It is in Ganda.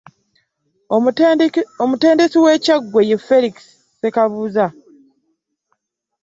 Omutendesi wa Kyaggwe, ye Felix Ssekabuuza